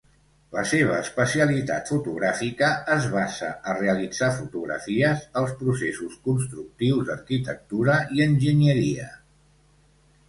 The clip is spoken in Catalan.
La seva especialitat fotogràfica es basa a realitzar fotografies als processos constructius d'arquitectura i enginyeria.